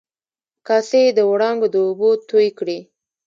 کاسي د و ړانګو د اوبو توی کړي